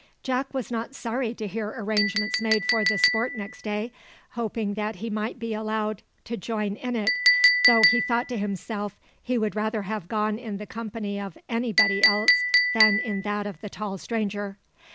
Jack was not sorry to hear arrangements made for the sport next day, hoping that he might be allowed to join in it, though he thought to himself he would rather have gone in the company of any body else than in that of the tall stranger.